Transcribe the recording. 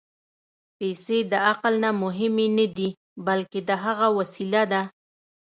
پېسې د عقل نه مهمې نه دي، بلکې د هغه وسیله ده.